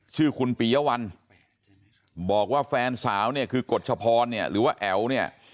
ชื่อคุณปียวัลบอกว่าแฟนสาวเนี่ยคือกฎชพรเนี่ยหรือว่าแอ๋วเนี่ย